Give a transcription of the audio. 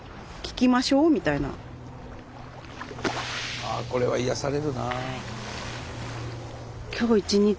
あっこれは癒やされるなあ。